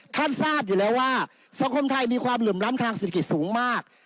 ทราบอยู่แล้วว่าสังคมไทยมีความเหลื่อมล้ำทางเศรษฐกิจสูงมาก